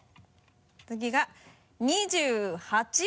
次が２８番。